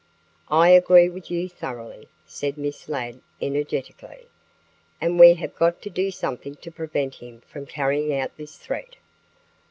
"I agree with you thoroughly," said Miss Ladd energetically. "And we have got to do something to prevent him from carrying out his threat."